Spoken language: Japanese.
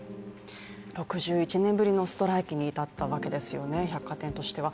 ６１年ぶりのストライキに至ったわけですよね、百貨店としては。